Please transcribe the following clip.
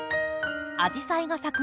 アジサイが咲く